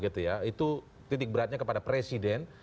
itu titik beratnya kepada presiden